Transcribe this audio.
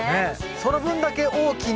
その分だけ大きな？